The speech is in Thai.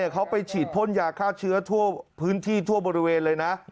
เขาไปฉีดพ่นยาฆ่าเชื้อทั่วพื้นที่ทั่วบริเวณเลยนะ